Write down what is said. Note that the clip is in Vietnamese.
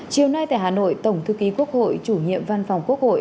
chiều nay tại hà nội tổng thư ký quốc hội chủ nhiệm văn phòng quốc hội